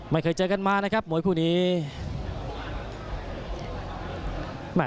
ไม่เคยเจอกันมานะครับมวยคู่นี้